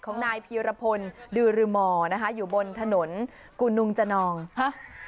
ของนายพีรพลดือรมอร์นะคะอยู่บนถนนกุนุงจนองฮะ